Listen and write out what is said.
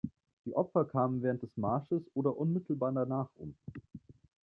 Die Opfer kamen während des Marsches oder unmittelbar danach um.